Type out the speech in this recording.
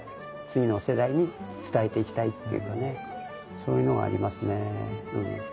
そういうのがありますね。